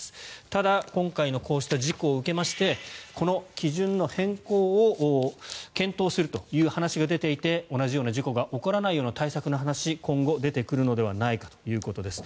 ただ、今回のこうした事故を受けましてこの基準の変更を検討するという話が出ていて同じような事故が起こらないような対策の話が今後出てくるのではないかということです。